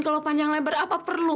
kalau panjang lebar apa perlu